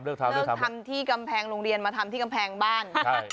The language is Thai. เลิกทำที่กำแพงโรงเรียนมาทำที่กำแพงบ้าน